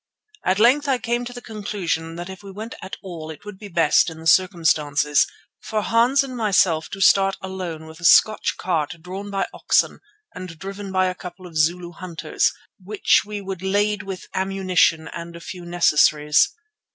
At length I came to the conclusion that if we went at all it would be best, in the circumstances, for Hans and myself to start alone with a Scotch cart drawn by oxen and driven by a couple of Zulu hunters, which we could lade with ammunition and a few necessaries.